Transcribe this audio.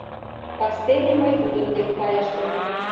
Кастене мый тудын дек кайышым.